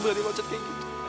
aku beli loncat kayak gitu